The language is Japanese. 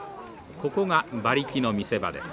ここが馬力の見せ場です。